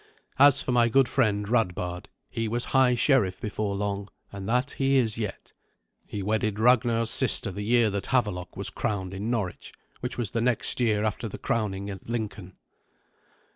As for my good friend Radbard, he was high sheriff before long, and that he is yet. He wedded Ragnar's sister the year that Havelok was crowned in Norwich, which was the next year after the crowning at Lincoln.